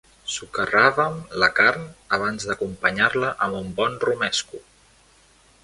Socarràvem la carn abans d'acompanyar-la amb un bon romesco.